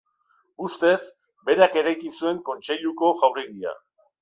Ustez, berak eraiki zuen Kontseiluko jauregia.